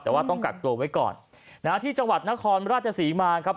แต่ว่าต้องกักตัวไว้ก่อนนะฮะที่จังหวัดนครราชศรีมาครับ